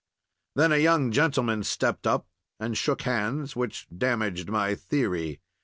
Then a young gentleman stepped up and shook hands, which damaged my theory.